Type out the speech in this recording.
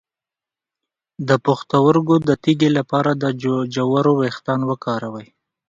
د پښتورګو د تیږې لپاره د جوارو ویښتان وکاروئ